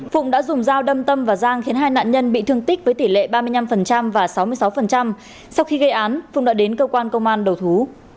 phụng đã dùng dao đâm tâm và giang khiến hai nạn nhân bị thương tích với tỷ lệ ba mươi năm và sáu mươi sáu sau khi gây án phung đã đến cơ quan công an đầu thú